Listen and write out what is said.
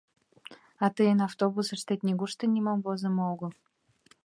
А тыйын автобусыштет нигушто нимом возымо огыл.